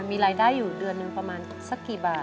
มีรายได้อยู่เดือนหนึ่งประมาณสักกี่บาท